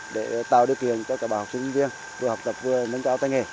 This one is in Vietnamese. để tạo điều kiện cho các bà học sinh nhân viên vừa học tập vừa nâng cao tay nghề